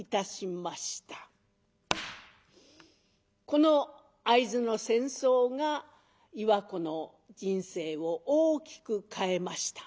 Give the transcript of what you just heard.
この会津の戦争が岩子の人生を大きく変えました。